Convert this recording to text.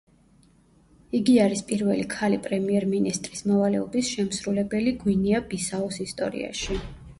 იგი არის პირველი ქალი პრემიერ-მინისტრის მოვალეობის შემსრულებელი გვინეა-ბისაუს ისტორიაში.